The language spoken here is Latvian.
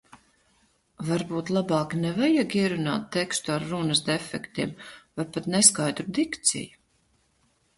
Varbūt labāk nevajag ierunāt tekstu ar runas defektiem vai pat neskaidru dikciju?